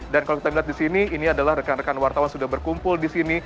dan kalau kita lihat di sini ini adalah rekan rekan wartawan sudah berkumpul di sini